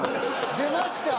出ました。